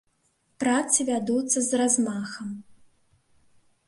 Працы вядуцца з размахам.